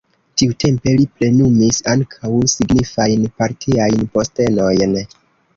Tiutempe li plenumis ankaŭ signifajn partiajn postenojn.